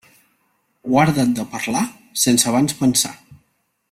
Guarda't de parlar, sense abans pensar.